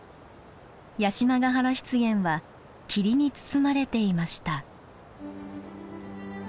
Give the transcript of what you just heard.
八島ヶ原湿原は霧に包まれていました。